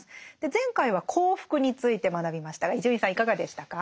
前回は幸福について学びましたが伊集院さんいかがでしたか？